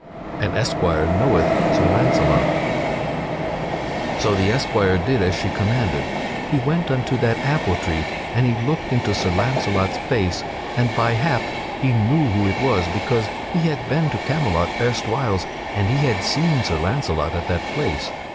[Sidenote: An esquire knoweth Sir Launcelot] So the esquire did as she commanded; he went unto that apple tree and he looked into Sir Launcelot's face, and by hap he knew who it was because he had been to Camelot erstwhiles and he had seen Sir Launcelot at that place.